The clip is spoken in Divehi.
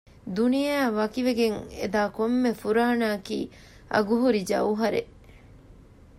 ދުނިޔެއާ ވަކިވެގެން އެ ދާ ކޮންމެ ފުރާނައަކީ އަގު ހުރި ޖައުހަރެއް